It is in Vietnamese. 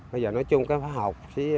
bây giờ nói chung cái phá học